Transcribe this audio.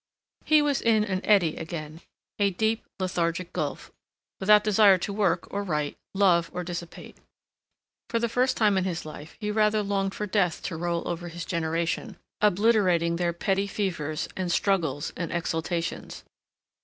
He was in an eddy again, a deep, lethargic gulf, without desire to work or write, love or dissipate. For the first time in his life he rather longed for death to roll over his generation, obliterating their petty fevers and struggles and exultations.